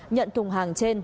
nhận thùng hàng trên